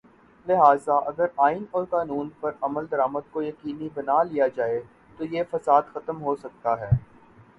لہذا اگر آئین اور قانون پر عمل درآمد کو یقینی بنا لیا جائے تویہ فساد ختم ہو سکتا ہے۔